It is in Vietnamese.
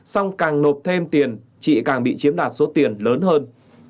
xong càng nộp thêm tiền chị càng bị chiếm đoạt số tiền lớn hơn